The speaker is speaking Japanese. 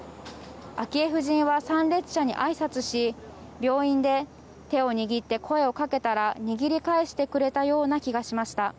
昭恵夫人は参列者にあいさつし病院で手を握って声を掛けたら握り返してくれたような気がしました。